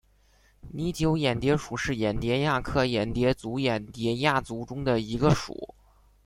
拟酒眼蝶属是眼蝶亚科眼蝶族眼蝶亚族中的一个属。